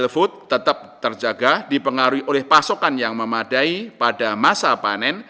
food tetap terjaga dipengaruhi oleh pasokan yang memadai pada masa panen